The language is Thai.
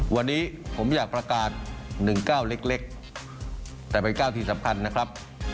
วันนี้ผมอยากประกาศ๑๙เล็กแต่เป็น๙ที่สำคัญนะครับ